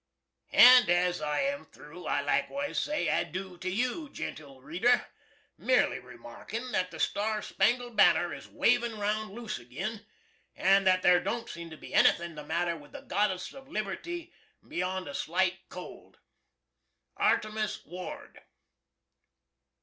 And as I am through, I likewise say adoo to you, jentle reader, merely remarkin' that the Star Spangled Banner is wavin' round loose agin, and that there don't seem to be anything the matter with the Goddess of Liberty beyond a slite cold. Artemus Ward.